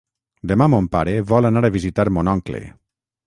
Demà mon pare vol anar a visitar mon oncle.